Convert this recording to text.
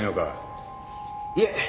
いえ。